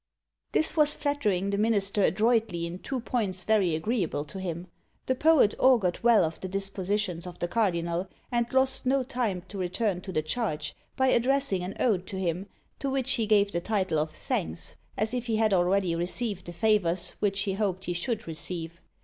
This was flattering the minister adroitly in two points very agreeable to him. The poet augured well of the dispositions of the cardinal, and lost no time to return to the charge, by addressing an ode to him, to which he gave the title of THANKS, as if he had already received the favours which he hoped he should receive!